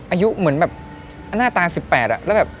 อายุเหมือนแบบหน้าตา๑๘อะแล้วแบบ